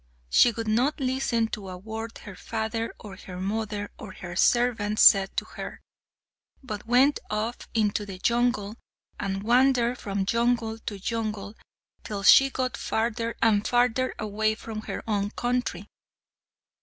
She would not listen to a word her father, or her mother, or her servants said to her, but went off into the jungle, and wandered from jungle to jungle, till she got farther and farther away from her own country.